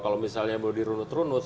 kalau misalnya mau dirunut runut